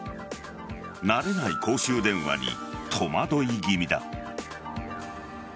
慣れない公衆電話に戸惑い気味だ。